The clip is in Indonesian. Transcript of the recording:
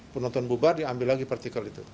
penonton bubar diambil lagi partikel itu